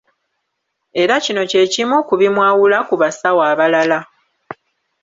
Era kino kye kimu ku bimwawula ku basawo abalala.